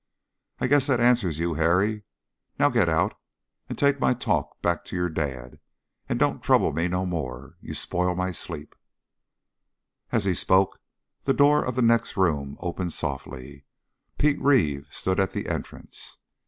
I guess that answers you, Harry. Now get out and take my talk back to your dad, and don't trouble me no more you spoil my sleep!" As he spoke the door of the next room opened softly. Peter Reeve stood at the entrance.